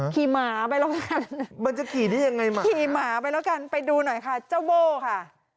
ขี่หมาไปแล้วกันนะครับขี่หมาไปแล้วกันไปดูหน่อยจะวโบ่ค่ะ